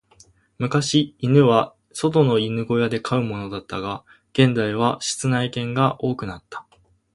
昔、犬は外の犬小屋で飼うものだったが、現代は室内犬が多くなった。